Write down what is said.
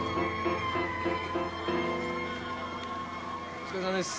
お疲れさまです。